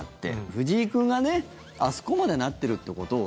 藤井君があそこまでなってるってことは。